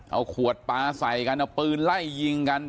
เอาขวดปลาใส่กันเอาปืนไล่ยิงกัน